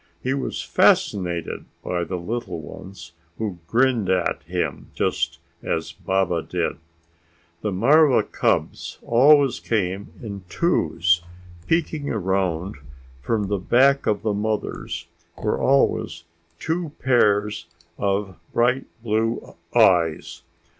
He was fascinated by the little ones, who grinned at him just as Baba did. The marva cubs always came in twos: peeking around from the back of the mothers were always two pairs of bright blue eyes.